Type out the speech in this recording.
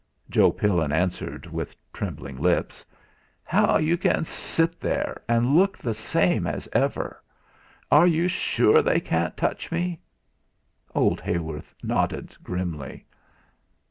Joe Pillin answered, with trembling lips: "How you can sit there, and look the same as ever! Are you sure they can't touch me?" Old Heyworth nodded grimly.